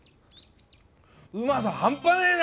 うまさ半端ねえなおい！